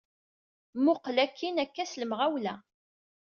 Mmuqqel akkin, akka s lemɣawla.